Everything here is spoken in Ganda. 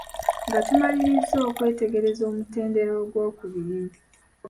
Nga tumalirizza okwetegereza omutendera ogw'okubiri.